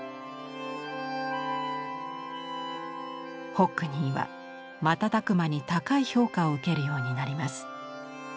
ホックニーは瞬く間に高い評価を受けるようになります。